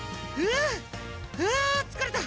フあつかれた！